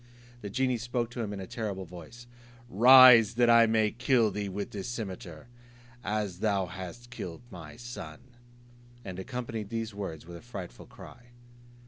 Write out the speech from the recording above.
The genie spoke to him in a terrible voice: "Rise, that I may kill thee with this cimeter, as thou hast killed my son;" and accompanied these words with a frightful cry.